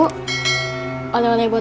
tidak ada yang bisa dibeliin